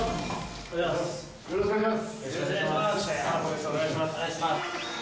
よろしくお願いします。